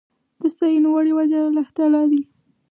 د ستاينو وړ يواځې الله تعالی دی